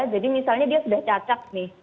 jadi misalnya dia sudah cacat nih